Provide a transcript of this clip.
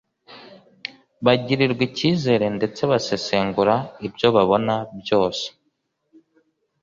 bagirirwa icyizere ndetse basesengura ibyo babona byose